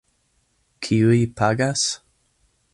Kiuj pagas?